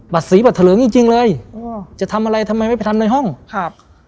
บัดสีบัดเหลืองจริงจริงเลยเออเออจะทำอะไรทำไมไม่ไปทำในห้องครับ